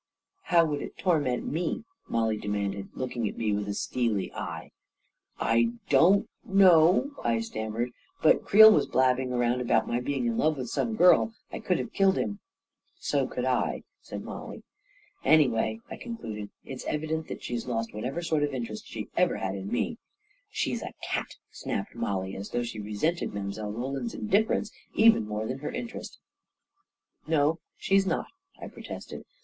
44 How would it torment me? " Mollie demanded, looking at me with a steely eye. 1 A KING IN BABYLON 169 "I don't know," I stammered; "but Creel was blabbing around about my being in love with some girl — I could have killed him !"" So could 1 1 " said Mollie. 44 Anyway," I concluded, " it's evident that she's lost whatever sort of interest she ever had in me !" 44 She's a cat !" snapped Mollie, as though she resented Mile. Roland's indifference even more than her interest. 44 No she's not," I protested.